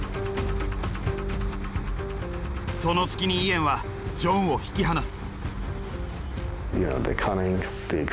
その隙にイエンはジョンを引き離す。